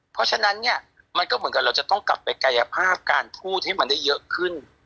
เพราะฉะนั้นเนี่ยมันก็เหมือนกับเราจะต้องกลับไปกายภาพการทูตให้มันได้เยอะขึ้น